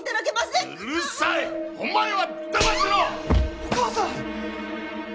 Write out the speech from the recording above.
お義母さん！